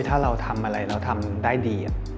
ถ้าเราทำอะไรเราทำได้ดี